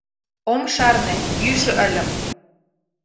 — Ом шарне, йӱшӧ ыльым.